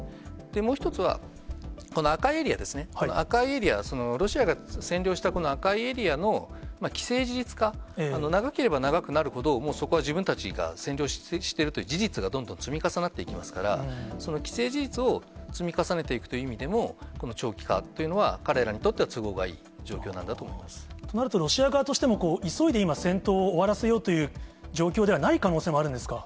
もう１つは、この赤いエリアですね、赤いエリア、ロシアが占領したこの赤いエリアの既成事実化、長ければ長くなるほど、もうそこは自分たちが占領しているという事実が、どんどん積み重なっていきますから、その既成事実を積み重ねていくという意味でも、この長期化というのは、彼らにとっては都合がいい状況なとなると、ロシア側としても急いで今、戦闘を終わらせようという状況ではない可能性もあるんですか。